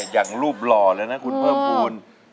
อย่างรูปหล่อแล้วนะคุณเพื่อผูล